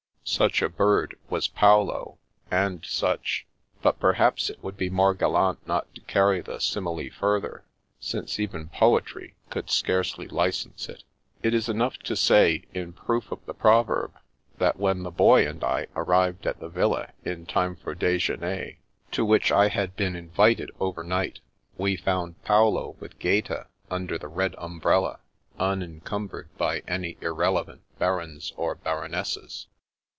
Such a bird was Paolo, and such — ^but perhaps it would be more gallant not to carry the simile further, since even poetry could scarcely license it. It is enough to say, in proof of the proverb, that when the Boy and I arrived at the villa in time for dejeuner, to which I had been invited over night, we found Paolo with Gaeta, under the red umbrella, unencumbered by any irrelevant Barons or Baron esses.